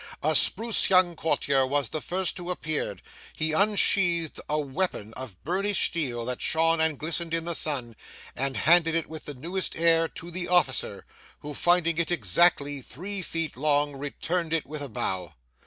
A spruce young courtier was the first who approached: he unsheathed a weapon of burnished steel that shone and glistened in the sun, and handed it with the newest air to the officer, who, finding it exactly three feet long, returned it with a bow.